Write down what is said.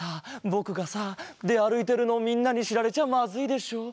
ぼくがさであるいてるのをみんなにしられちゃまずいでしょう。